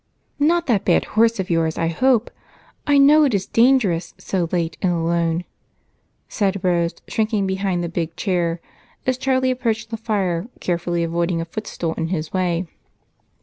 "Not that bad horse of yours, I hope? I know it is dangerous, so late and alone," said Rose, shrinking behind the big chair as Charlie approached the fire, carefully avoiding a footstool in his way.